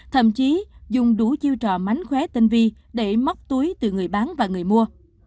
thậm chí dùng đủ chiêu trò mánh khóe tinh vi để móc túi từ người bán và người mua